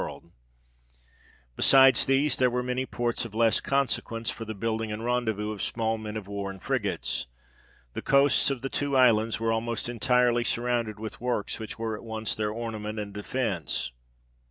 99 besides these, there were many ports of less consequence, for the building and rendezvous of small men of war and frigates : the coasts of the two islands were almost entirely surrounded with works which were at once their ornament and defence.